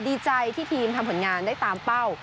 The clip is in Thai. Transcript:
ดีใจที่ทีมทำผลงานได้ตามเป้า